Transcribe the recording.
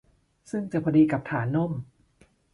ซึ่งจะพอดีกับฐานนม